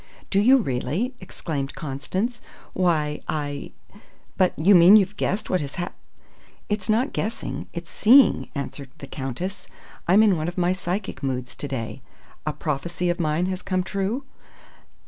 "Do you really?" exclaimed Constance. "Why, I but you mean you've guessed what has hap " "It's not guessing, it's seeing," answered the Countess. "I'm in one of my psychic moods to day. A prophecy of mine has come true?"